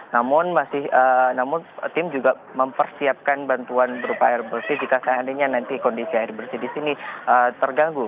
namun masih namun tim juga mempersiapkan bantuan berupa air bersih jika seandainya nanti kondisi air bersih di sini terganggu